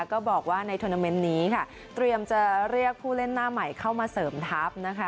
ก็บอกว่าในทวนาเมนต์นี้ค่ะเตรียมจะเรียกผู้เล่นหน้าใหม่เข้ามาเสริมทัพนะคะ